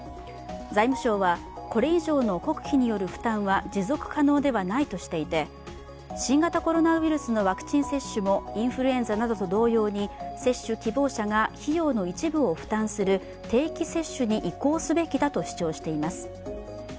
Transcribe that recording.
財務省は、これ以上の国費による負担は持続可能ではないとしていて、新型コロナウイルスのワクチン接種もインフルエンザなどと同様に接種希望者が費用の一部を負担する定期接種に移行すべきだと主張しています。